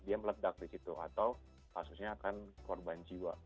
dia meledak di situ atau kasusnya akan korban jiwa